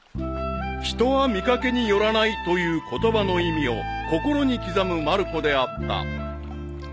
［「人は見掛けによらない」という言葉の意味を心に刻むまる子であった］